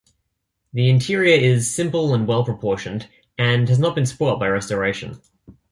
The interior is simple and well-proportioned, and has not been spoilt by restoration.